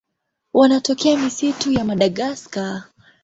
Wanatokea misitu ya Madagaska.